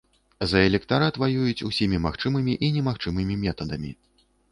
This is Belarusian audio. За электарат ваююць усімі магчымымі і немагчымымі метадамі.